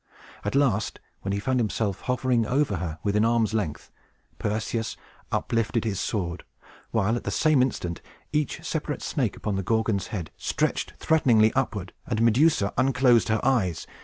At last, when he found himself hovering over her within arm's length, Perseus uplifted his sword, while, at the same instant, each separate snake upon the Gorgon's head stretched threateningly upward, and Medusa unclosed her eyes.